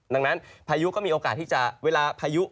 ดังนั้นพายุก็มีโอกาสที่จะเวลาพายุ